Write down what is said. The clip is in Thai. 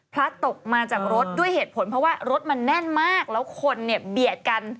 พระตกมาจากรถด้วยเหตุผลเพราะว่ารถมันแน่นมากแล้วคนเนี่ยเบียดกัน